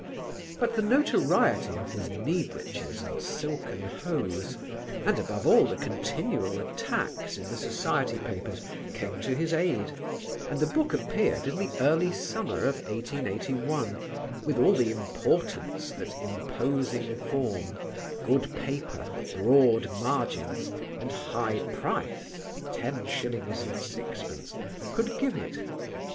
But the notoriety of his knee breeches and silken hose, and above all the continual attacks in the society papers, came to his aid and his book appeared in the early summer of 1881 with all the importance that imposing form, good paper, broad margins, and high price (10/6) could give it.